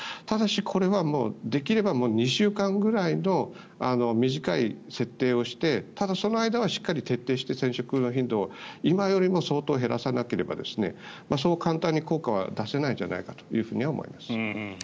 ただ、これはできれば２週間ぐらいの短い設定をしてただ、その間はしっかり徹底して接触の頻度を今よりも相当減らさなければそう簡単に効果は出せないんじゃないかと思います。